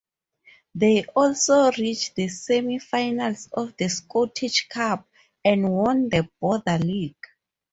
They also reached the semi-finals of the Scottish cup and won the Border League.